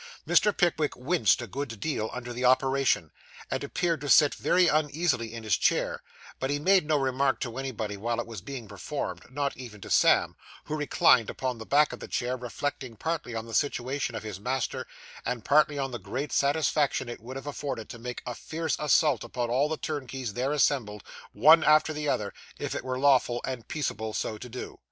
Mr. Pickwick winced a good deal under the operation, and appeared to sit very uneasily in his chair; but he made no remark to anybody while it was being performed, not even to Sam, who reclined upon the back of the chair, reflecting, partly on the situation of his master, and partly on the great satisfaction it would have afforded him to make a fierce assault upon all the turnkeys there assembled, one after the other, if it were lawful and peaceable so to do.